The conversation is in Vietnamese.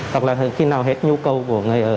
hoặc là khi nào hết nhu cầu của người ở